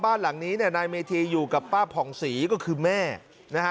บ้านหลังนี้เนี่ยนายเมธีอยู่กับป้าผ่องศรีก็คือแม่นะฮะ